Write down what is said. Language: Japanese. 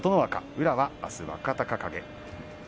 宇良はあすは若隆景。